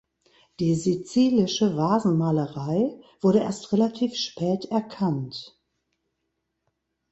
Die sizilische Vasenmalerei wurde erst relativ spät erkannt.